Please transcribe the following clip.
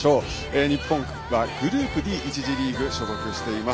日本はグループＤ１次リーグ所属しています。